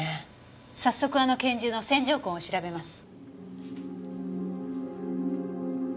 早速あの拳銃の線条痕を調べます。